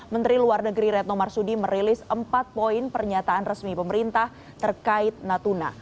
menteri luar negeri retno marsudi merilis empat poin pernyataan resmi pemerintah terkait natuna